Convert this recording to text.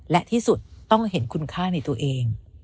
และที่สุดต้องเห็นคุณค่าในตัวเอง